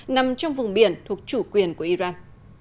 nằm trong vùng biển thuộc chủ quyền của iran